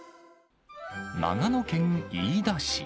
長野県飯田市。